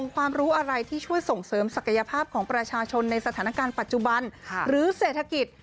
ความรู้อะไรที่ช่วยส่งเสริมศักยภาพของประชาชนในสถานการณ์ปัจจุบันหรือเศรษฐกิจ